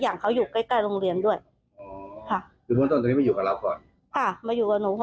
อย่างเขาอยู่ใกล้โรงเรียนด้วย